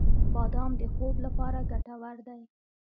• بادام د خوب لپاره ګټور دی.